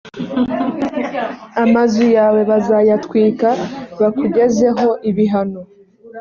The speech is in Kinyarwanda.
amazu yawe bazayatwika bakugezeho ibihano